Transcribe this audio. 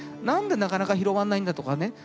何でなかなか広がんないんだとかね